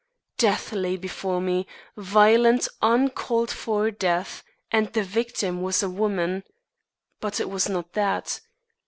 Death lay before me violent, uncalled for death and the victim was a woman. But it was not that.